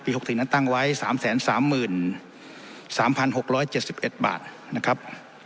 ปีหกสี่นั้นตั้งไว้สามแสนสามหมื่นสามพันหกร้อยเจ็ดสิบเอ็ดบาทนะครับ